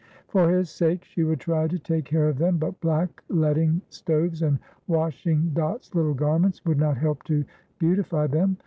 For his sake she would try to take care of them, but black leading stoves and washing Dot's little garments would not help to beautify them.